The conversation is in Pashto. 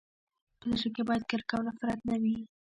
په زړه کي باید کرکه او نفرت نه وي.